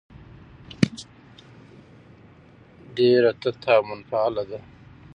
ډېره تته او منفعله ده.